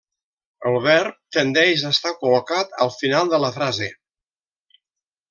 El verb tendeix a estar col·locat al final de la frase.